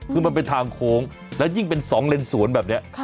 คือมันเป็นทางโค้งแล้วยิ่งเป็น๒เลนสวนแบบนี้